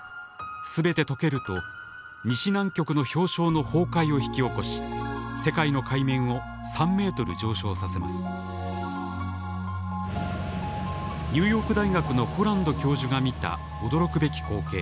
すべてとけると西南極の氷床の崩壊を引き起こし世界の海面を３ｍ上昇させますニューヨーク大学のホランド教授が見た驚くべき光景。